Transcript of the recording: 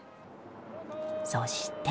そして。